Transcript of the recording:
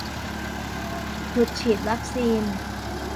จุดฉีดวัคซีน